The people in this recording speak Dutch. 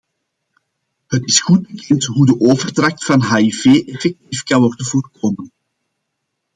Het is goed bekend hoe de overdracht van hiv effectief kan worden voorkomen.